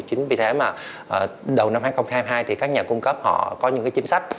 chính vì thế mà đầu năm hai nghìn hai mươi hai thì các nhà cung cấp họ có những chính sách